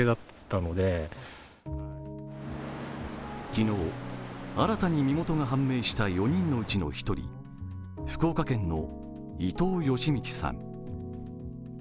昨日、新たに身元が判明した４人のうちの１人、福岡県の伊藤嘉通さん。